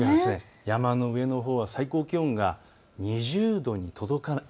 山の上のほうは最高気温が２０度に届かない。